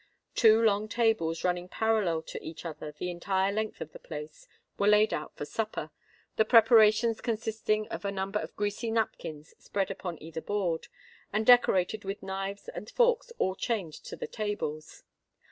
Two long tables running parallel to each other the entire length of the place, were laid out for supper,—the preparations consisting of a number of greasy napkins spread upon either board, and decorated with knives and forks all chained to the tables.